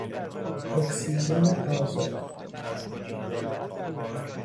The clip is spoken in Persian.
اکسیژن آزاد